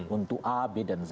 untuk a b dan c